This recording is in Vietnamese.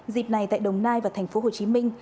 dịp này tại đồng nai và thành phố hồ chí minh